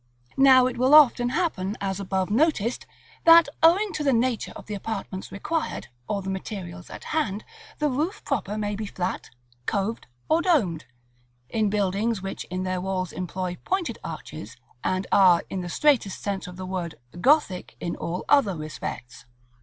Now it will often happen, as above noticed, that owing to the nature of the apartments required, or the materials at hand, the roof proper may be flat, coved, or domed, in buildings which in their walls employ pointed arches, and are, in the straitest sense of the word, Gothic in all other respects.